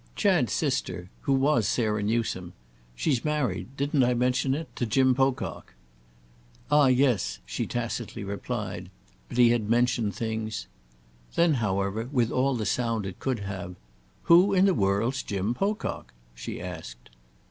"Chad's sister—who was Sarah Newsome. She's married—didn't I mention it?—to Jim Pocock." "Ah yes," she tacitly replied; but he had mentioned things—! Then, however, with all the sound it could have, "Who in the world's Jim Pocock?" she asked.